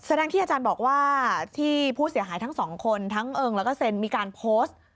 แสดงที่อาจารย์บอกว่าที่ผู้เสียหายทั้งสองคนทั้งเอิงแล้วก็เซ็นมีการโพสต์